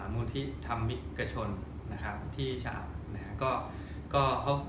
มูลทิธรรมิกชลที่ชะอำ